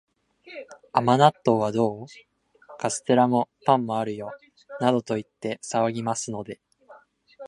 甘納豆はどう？カステラも、パンもあるよ、などと言って騒ぎますので、